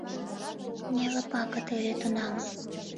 Неле пагыт ыле тунам.